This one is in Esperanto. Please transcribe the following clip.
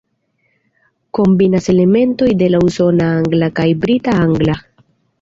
Kombinas elementojn de la usona angla kaj brita angla.